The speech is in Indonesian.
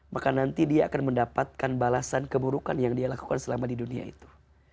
maka nanti dia akan mendapatkan balasan keburukan yang dia lakukan selama di dunia itu